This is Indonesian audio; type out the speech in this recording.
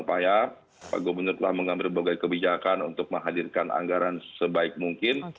ini adalah upaya pak gubernur telah mengambil berbagai kebijakan untuk menghadirkan anggaran sebaik mungkin